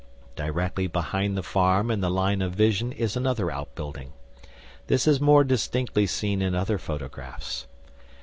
Directly behind the farm in the line of vision is another outbuilding. This is more distinctly seen in other photographs.